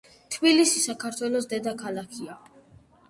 თბილისი საქართველოს დედაქალაქია.